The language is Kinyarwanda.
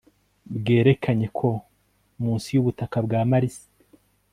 bwerekanye ko munsi y'ubutaka bwa marisi